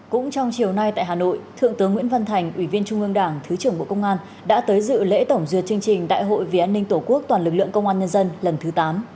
cũng trong chiều nay tại hà nội thượng tướng nguyễn văn thành ủy viên trung ương đảng thứ trưởng bộ công an đã tới dự lễ tổng duyệt chương trình đại hội vì an ninh tổ quốc toàn lực lượng công an nhân dân lần thứ tám